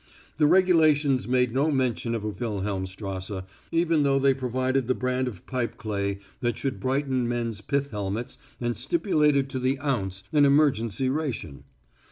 The regulations made no mention of a Wilhelmstrasse, even though they provided the brand of pipe clay that should brighten men's pith helmets and stipulated to the ounce an emergency ration.